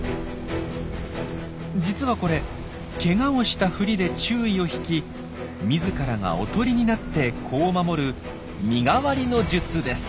実はこれけがをしたふりで注意を引き自らがおとりになって子を守る「身代わりの術」です。